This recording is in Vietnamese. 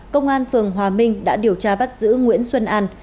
công an phường hòa minh đã điều tra bắt giữ nguyễn xuân an